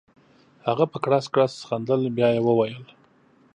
هغه په کړس کړس خندل بیا یې وویل.